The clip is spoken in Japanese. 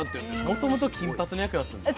もともと金髪の役やったんです。